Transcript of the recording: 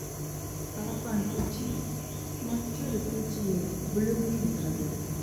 கரப்பான்பூச்சி மற்றெரு பூச்சியை விழுங்குகின்றது.